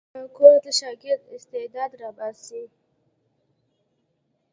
کورس د شاګرد استعداد راباسي.